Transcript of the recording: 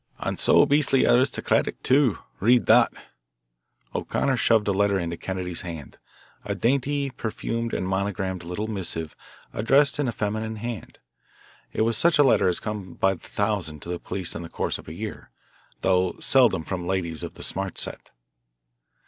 And so beastly aristocratic, too. Read that." O'Connor shoved a letter into Kennedy's hand, a dainty perfumed and monogrammed little missive addressed in a feminine hand. It was such a letter as comes by the thousand to the police in the course of a year; though seldom from ladies of the smart set.